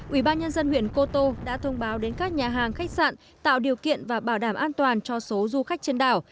ubnd huyện cô tô đã thông báo đến các nhà hàng khách sạn tạo điều kiện và bảo đảm an toàn cho số du khách trên đảo